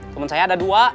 temen saya ada dua